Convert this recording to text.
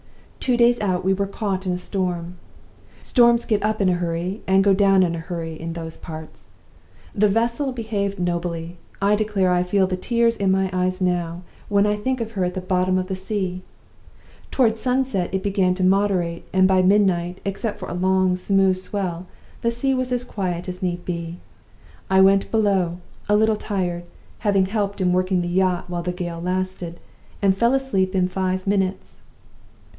Two days out we were caught in a storm. Storms get up in a hurry, and go down in a hurry, in those parts. The vessel behaved nobly: I declare I feel the tears in my eyes now, when I think of her at the bottom of the sea! Toward sunset it began to moderate; and by midnight, except for a long, smooth swell, the sea was as quiet as need be. I went below, a little tired (having helped in working the yacht while the gale lasted), and fell asleep in five minutes.